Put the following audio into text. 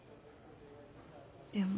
でも。